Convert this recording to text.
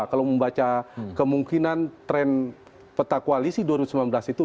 kalau membaca kemungkinan tren peta koalisi dua ribu sembilan belas itu